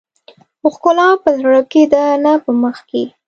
ښکلا په زړه کې ده نه په مخ کې .